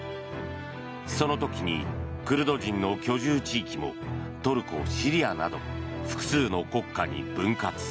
その時に、クルド人の居住地域もトルコ、シリアなど複数の国家に分割。